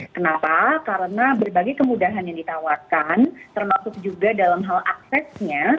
kenapa karena berbagai kemudahan yang ditawarkan termasuk juga dalam hal aksesnya